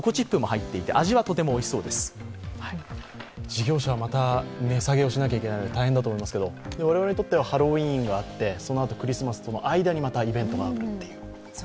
事業者はまた値下げをしなきゃいけないので大変だと思いますけど我々にとってはハロウィーンがあって、クリスマスがあって、その間にまたイベントがあるという。